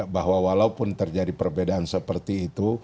bahwa walaupun terjadi perbedaan seperti itu